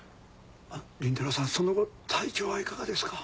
倫太郎さんその後体調はいかがですか？